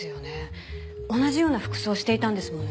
同じような服装をしていたんですもんね。